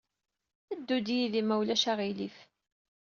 Ddu-d yid-i, ma ulac aɣilif.